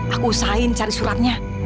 aku usahain cari suratnya